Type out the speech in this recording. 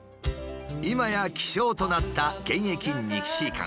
今や希少となった現役ニキシー管。